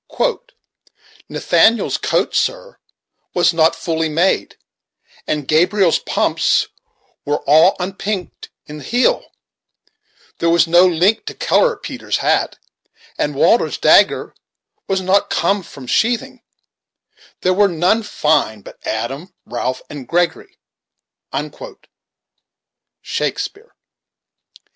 CHAPTER V "Nathaniel's coat, sir, was not fully made, And Gabriel's pumps were all unpink'd i' th' heel; There was no link to color Peter's hat, And Walter's dagger was not come from sheathing; There were none fine, but Adam, Ralph, and Gregory." Shakespeare.